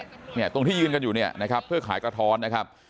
เนี่ยตรงที่ยืนกันอยู่เนี่ยนะครับเพื่อขายกระท้อนนะครับ